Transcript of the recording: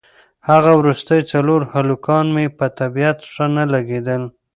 هغه وروستي څلور هلکان مې په طبیعت ښه نه لګېدل.